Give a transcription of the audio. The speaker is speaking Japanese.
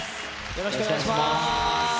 よろしくお願いします。